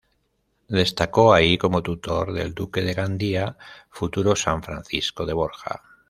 Destacó ahí como tutor del Duque de Gandía, futuro San Francisco de Borja.